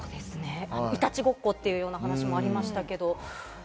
いたちごっこというような話もありましたけれども。